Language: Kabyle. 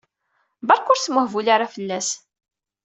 Berka ur smuhbul ara fell-as!